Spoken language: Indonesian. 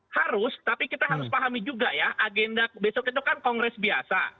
harus tapi kita harus pahami juga ya agenda besok itu kan kongres biasa